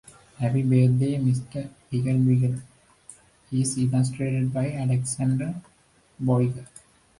"Happy Birthday, Mrs. Piggle-Wiggle" is illustrated by Alexandra Boiger.